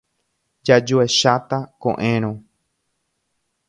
Jajuecháta ko'ẽrõ.